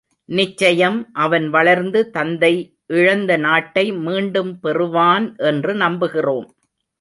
நிச்சயம் அவன் வளர்ந்து தந்தை இழந்த நாட்டை மீண்டும் பெறுவான் என்று நம்புகிறோம்.